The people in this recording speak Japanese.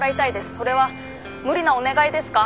それは無理なお願いですか？